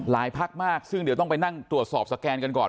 พักมากซึ่งเดี๋ยวต้องไปนั่งตรวจสอบสแกนกันก่อน